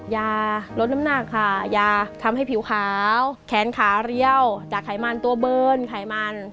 ยาลดน้ำหนักค่ะยาทำให้ผิวขาวแขนขาเรี่ยวจากไขมันตัวเบิร์นไขมัน